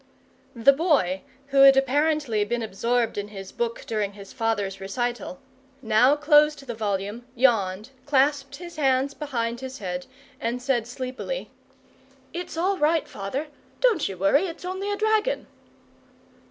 The Boy, who had apparently been absorbed in his book during his father's recital, now closed the volume, yawned, clasped his hands behind his head, and said sleepily: "It's all right, father. Don't you worry. It's only a dragon."